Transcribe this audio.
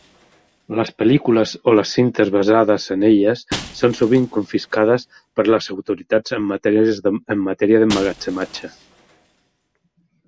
Les pel·lícules o les cintes basades en elles són sovint confiscades per les autoritats en matèria d'emmagatzematge.